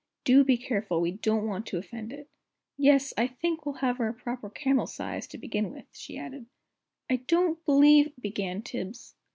"Do be careful, we don't want to offend it." "Yes, I think we'll have her a proper camel size, to begin with," she added. "I don't believe " began Tibbs.